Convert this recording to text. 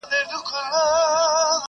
کلي مو وسوځیږي٫